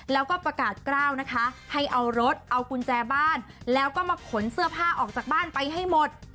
แล้วก็ประกาศกล้าวนะคะให้เอารถเอากุญแจบ้านแล้วก็มาขนเสื้อผ้าออกจากบ้านไปให้หมด